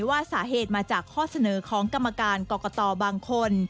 ว่าสาเหตุมาจากข้อเสนอของกรรมการกรกตบางคน